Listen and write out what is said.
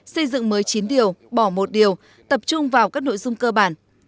xây dựng mới chín điều bỏ một điều tập trung vào các nội dung cơ bản